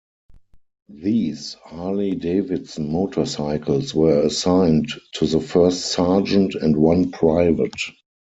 These Harley-Davidson motorcycles were assigned to the first sergeant and one private.